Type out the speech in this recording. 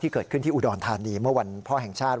เกิดขึ้นที่อุดรธานีเมื่อวันพ่อแห่งชาติ